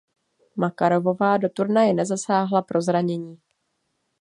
Makarovová do turnaje nezasáhla pro zranění.